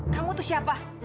kamu itu siapa